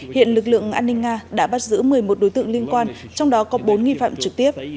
hiện lực lượng an ninh nga đã bắt giữ một mươi một đối tượng liên quan trong đó có bốn nghi phạm trực tiếp